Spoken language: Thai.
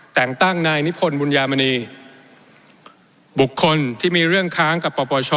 แต่งตั้งนายนิพนธบุญญามณีบุคคลที่มีเรื่องค้างกับปปช